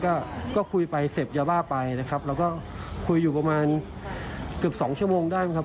ก็ก็คุยไปเสพยาบ้าไปนะครับแล้วก็คุยอยู่ประมาณเกือบสองชั่วโมงได้ไหมครับ